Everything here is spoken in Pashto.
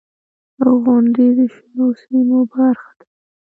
• غونډۍ د شنو سیمو برخه ده.